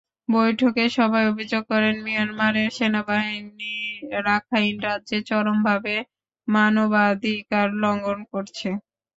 বৈঠকে সবাই অভিযোগ করেন, মিয়ানমারের সেনাবাহিনী রাখাইন রাজ্যে চরমভাবে মানবাধিকার লঙ্ঘন করছে।